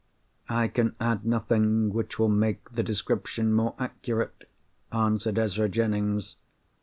"I can add nothing which will make the description more accurate," answered Ezra Jennings.